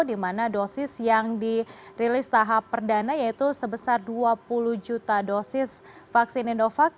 di mana dosis yang dirilis tahap perdana yaitu sebesar dua puluh juta dosis vaksin indovac